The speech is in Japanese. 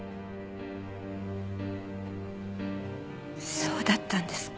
そうだったんですか。